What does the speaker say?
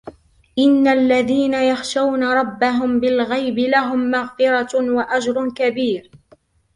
إن الذين يخشون ربهم بالغيب لهم مغفرة وأجر كبير